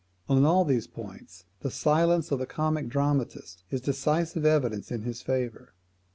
On all these points the silence of the comic dramatist is decisive evidence in his favour.